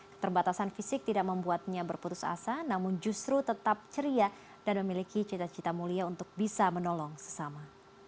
keterbatasan fisik tidak membuatnya berputus asa namun justru tetap ceria dan memiliki cita cita mulia untuk bisa menolong sesama